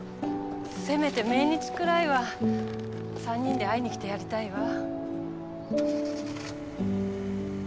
せめて命日くらいは３人で会いに来てやりたいわ。